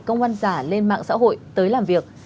công an giả lên mạng xã hội tới làm việc